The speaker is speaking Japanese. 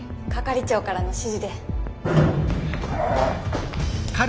係長からの指示で。